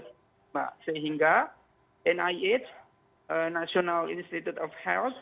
sehingga nih itu sekarang sudah melakukan uji klinis pada tanggal tujuh belas mei